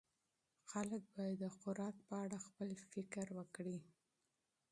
خلک باید د خوراک په اړه خپل فکر وکړي.